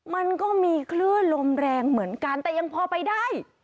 มันก็มีคลื่นลมแรงเหมือนกันแต่ยังพอไปได้